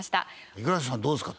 五十嵐さんどうですか？